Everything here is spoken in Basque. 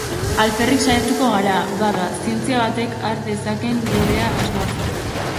Alferrik saiatuko gara, bada, zientzia batek har dezakeen bidea asmatzen.